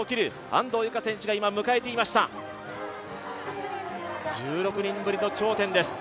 安藤友香選手が今、迎えていました１６年ぶりの頂点です。